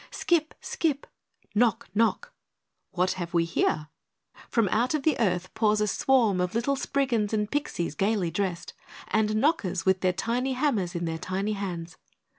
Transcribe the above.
Skip! skip! Knock! knock! What have we here? From out of the earth pours a swarm of little Spriggans and Pixies gaily dressed, and Knockers with their tiny hammers in their tiny hands.